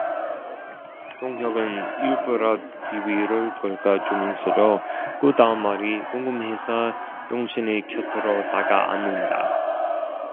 동혁은 일부러 비위를 긁어 주면서도 그 다음 말이 궁금해서 영신의 곁으로 다가앉는다.